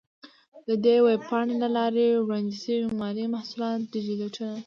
د دې ویب پاڼې له لارې وړاندې شوي مالي محصولات ډیجیټلونه،